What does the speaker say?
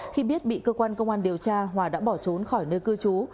khi biết bị cơ quan công an điều tra hòa đã bỏ trốn khỏi nơi cư trú